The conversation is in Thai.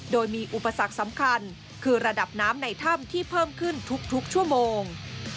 โดยมีอุปสรรคสำคัญคือระดับน้ำในถ้ำที่เพิ่มขึ้นทุกชั่วโมง